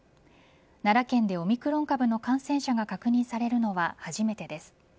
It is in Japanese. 奈良県でオミクロン株の感染者が確認されるのは初めてです。